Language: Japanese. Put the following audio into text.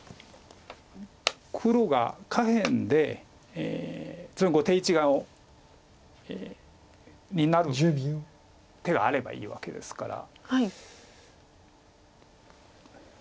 黒が下辺でその後手一眼をになる手があればいいわけですから。